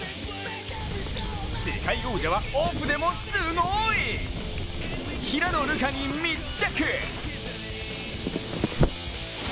世界王者はオフでもすごい！平野流佳に密着。